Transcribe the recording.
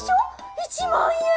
１万円？